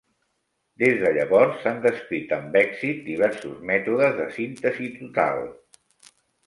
Des de llavors s'han descrit amb èxit diversos mètodes de síntesi total.